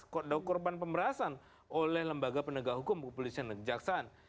korban pemberasan oleh lembaga penegak hukum kepolisian dan kejaksaan